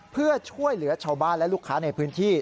เพื่อช่วยเหลือชาวบ้านและลูกค้าในพื้นที่